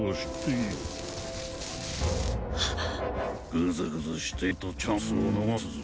ぐずぐずしているとチャンスを逃すぞ。